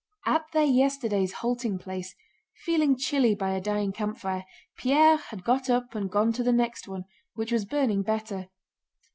At their yesterday's halting place, feeling chilly by a dying campfire, Pierre had got up and gone to the next one, which was burning better.